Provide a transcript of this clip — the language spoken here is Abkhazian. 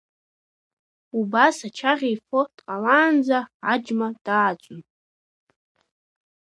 Убас ачаӷьа ифо дҟалаанӡа аџьма дааӡон.